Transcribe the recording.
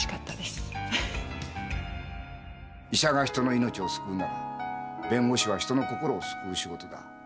医者が人の命を救うなら弁護士は人の心を救う仕事だ。